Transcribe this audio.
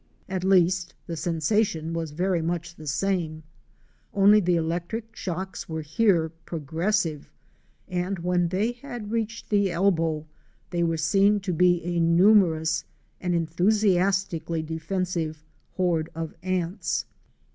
At least, the sensation was very much the same, only the electric shocks were here progressive, and when they had reached the elbow, they were seen to be a numerous and enthusiastically defensive horde of ants.